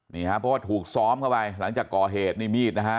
นี่ครับเพราะว่าถูกซ้อมเข้าไปหลังจากก่อเหตุนี่มีดนะฮะ